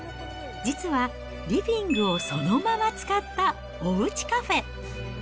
実は、リビングをそのまま使ったおうちカフェ。